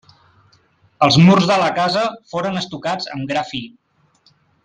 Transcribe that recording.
Els murs de la casa foren estucats amb gra fi.